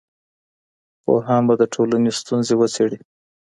پوهان به د ټولني ستونزې وڅېړي.